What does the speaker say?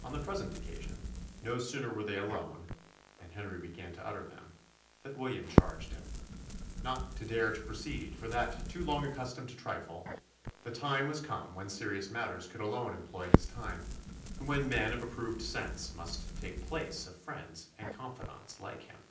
On the present occasion, no sooner were they alone, and Henry began to utter them, than William charged him "Not to dare to proceed; for that, too long accustomed to trifle, the time was come when serious matters could alone employ his time; and when men of approved sense must take place of friends and confidants like him."